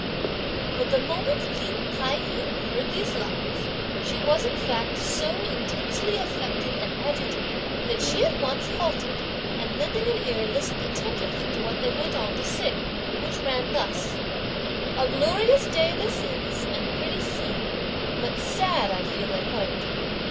But the moment Lin Tai yü heard these lines, she was, in fact, so intensely affected and agitated that she at once halted and lending an ear listened attentively to what they went on to sing, which ran thus: A glorious day this is, and pretty scene, but sad I feel at heart!